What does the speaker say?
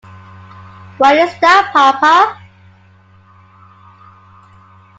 Why is that, Papa?